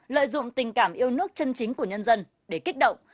lợi dụng tình cảm yêu nước chân chính của nhân dân để kích động